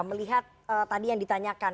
melihat tadi yang ditanyakan